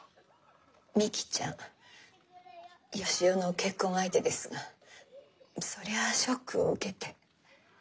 美希ちゃん義雄の結婚相手ですがそりゃあショックを受けて。